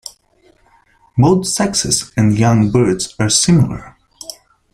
Both sexes and young birds are similar.